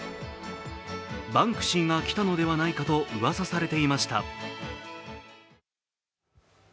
バンクシーが来たのではないかと噂されていました。